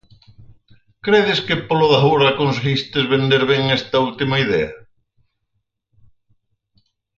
Credes que polo de agora conseguistes vender ben esta última idea?